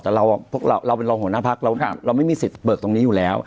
แต่พวกเราเป็นรองหัวหน้าพักเราไม่มีสิทธิ์เบิกตรงนี้อยู่แล้ว